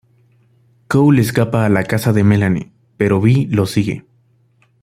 Cole escapa a la casa de Melanie, pero Bee lo sigue.